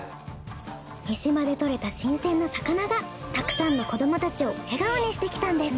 見島で獲れた新鮮な魚がたくさんの子どもたちを笑顔にしてきたんです。